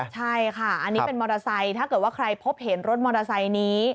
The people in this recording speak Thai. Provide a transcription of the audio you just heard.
ใช่ค่ะอันนี้เป็นมอเตอร์ไซค์ถ้าเกิดว่าใครพบเห็นรถมอเตอร์ไซค์นี้